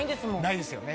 ないですよね。